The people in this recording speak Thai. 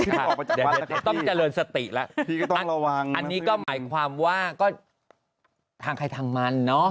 เดี๋ยวต้องเจริญสติละพี่ก็ต้องระวังอันนี้ก็หมายความว่าก็ทางใครทางมันเนาะ